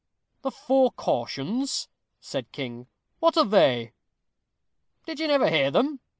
"The four cautions," said King; "what are they?" "Did you never hear them?"